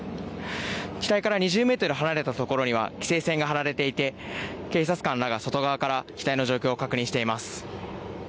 機体から２０メートル離れた所には規制線が張られていて警察官らが外側から機体の状況を確認しています。